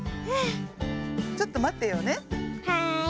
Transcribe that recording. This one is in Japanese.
はい。